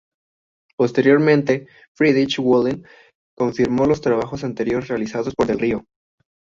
Posteriormente, Friedrich Wöhler confirmó los trabajos anteriores realizados por Del Río.